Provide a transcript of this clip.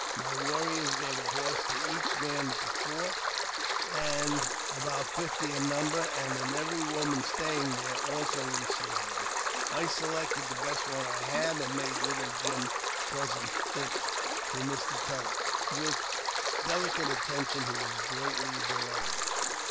My warriors gave a horse to each man at the fort, about fifty in number, and every woman staying there also received one. I selected the best one I had, and made little Jim present it to Mr. Tulleck, with which delicate attention he was greatly delighted.